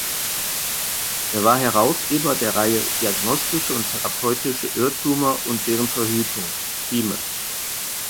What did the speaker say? Er war Herausgeber der Reihe "Diagnostische und therapeutische Irrtümer und deren Verhütung" (Thieme).